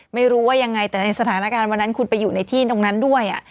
ไม่รู้ว่ายังไงแต่ในสถานการณ์วันนั้นคุณไปอยู่ในที่ตรงนั้นด้วย